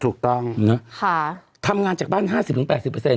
ถูกต้องเนอะค่ะทำงานจากบ้านห้าสิบถึงแปดสิบเปอร์เซ็นต์